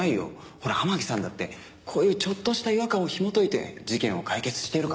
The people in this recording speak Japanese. ほら天樹さんだってこういうちょっとした違和感を紐解いて事件を解決してるから。